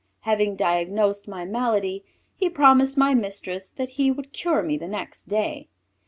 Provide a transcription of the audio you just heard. Having diagnosed my malady he promised my mistress that he would cure me the next day.